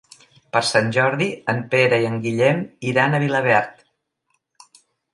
Per Sant Jordi en Pere i en Guillem iran a Vilaverd.